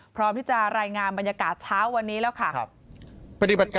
พร้อมที่จะรายงานบรรยากาศเช้าวันนี้แล้วค่ะ